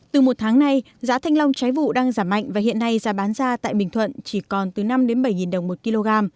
từ một tháng nay giá thanh long trái vụ đang giảm mạnh và hiện nay giá bán ra tại bình thuận chỉ còn từ năm bảy đồng một kg